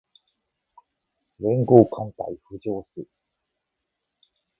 連合艦隊浮上す